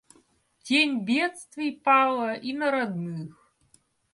Тень бедствий пала и на родных.